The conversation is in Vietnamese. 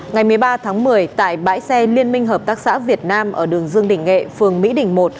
ngày một mươi ba tháng một mươi tại bãi xe liên minh hợp tác xã việt nam ở đường dương đình nghệ phường mỹ đình một